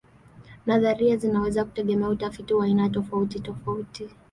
Nadharia zinaweza kutegemea utafiti wa aina tofautitofauti.